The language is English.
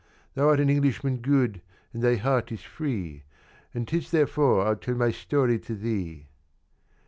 Thou'rt an Englishman good, and thy heart is free, And 'tis therefore I'll tell my story to thee.